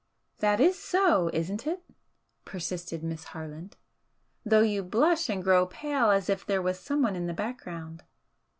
"That is so, isn't it?" persisted Miss Harland "Though you blush and grow pale as if there was someone in the background."